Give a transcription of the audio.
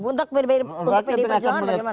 untuk pdi perjuangan bagaimana